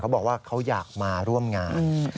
บอกว่าเขาอยากมาร่วมงาน